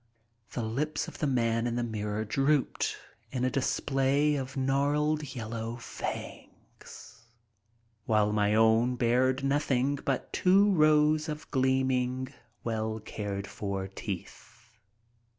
The lips of the man in the mirror drooped in a display of gnarled, yellow fangs, while my own bared nothing but two rows of gleaming, well cared for teeth.